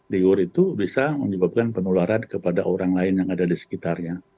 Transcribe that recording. liur itu bisa menyebabkan penularan kepada orang lain yang ada di sekitarnya